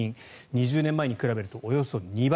２０年前に比べるとおよそ２倍。